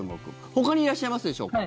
ほかにいらっしゃいますでしょうか。